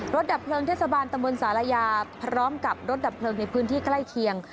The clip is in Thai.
ดับเพลิงเทศบาลตะมนต์ศาลายาพร้อมกับรถดับเพลิงในพื้นที่ใกล้เคียง